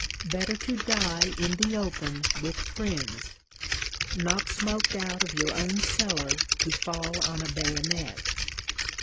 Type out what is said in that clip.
Better to die in the open with friends not smoked out of your own cellar to fall on a bayonet.